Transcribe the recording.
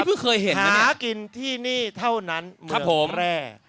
นี่เพิ่งเคยเห็นไหมหากินที่นี่เท่านั้นเมืองแพร่